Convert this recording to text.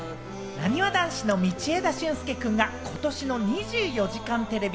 なにわ男子の道枝駿佑くんがことしの『２４時間テレビ』